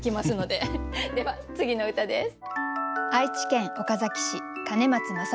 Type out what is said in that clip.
では次の歌です。